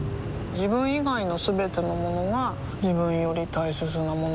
自分以外のすべてのものが自分より大切なものだと思いたい